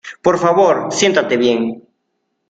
Por favor, siéntate bien.